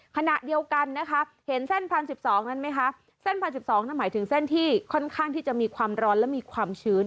ขณะเดียวกันนะคะเห็นเส้น๑๐๑๒นั้นไหมคะเส้น๑๐๑๒นั่นหมายถึงเส้นที่ค่อนข้างที่จะมีความร้อนและมีความชื้น